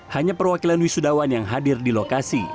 hanya perwakilan wisudawan yang hadir di lokasi